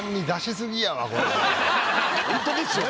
ホントですよ。